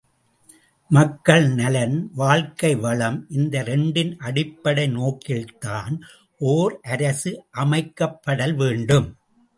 மக்கள் நலன், வாழ்க்கை வளம், இந்த இரண்டின் அடிப்படை நோக்கில்தான் ஓர் ஆரசு அமைக்கப்படல்வேண்டும்.